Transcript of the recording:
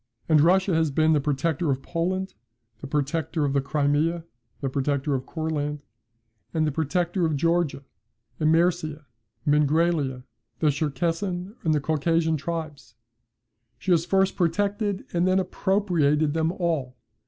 And Russia has been the protector of Poland, the protector of the Crimea, the protector of Courland, the protector of Georgia, Immeritia, Mingrelia, the Tcherkessian and Caucasian tribes. She has first protected, and then appropriated them all.